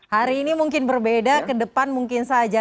hari ini mungkin berbeda ke depan mungkin saja